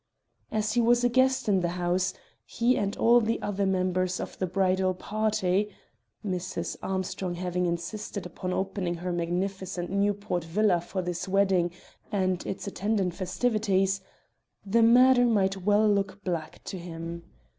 As he was a guest in the house, he and all the other members of the bridal party (Mrs. Armstrong having insisted upon opening her magnificent Newport villa for this wedding and its attendant festivities), the matter might well look black to him.